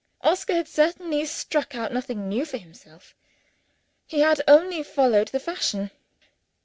Oscar had certainly struck out nothing new for himself: he had only followed the fashion.